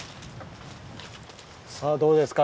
さあどうですか？